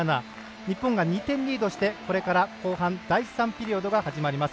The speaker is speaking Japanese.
日本が２点リードしてこれから後半第３ピリオドが始まります。